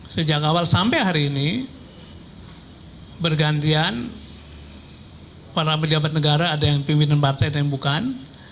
sejak awal sampai hari ini bergantian para pejabat negara ada yang pimpinan partai ada yang bukan